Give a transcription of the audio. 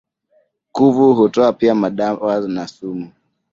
Kuvu hutoa pia madawa na sumu.